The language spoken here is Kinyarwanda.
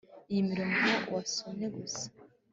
Iyi mirongo wasomye gusa